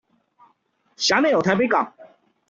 轄內有臺北港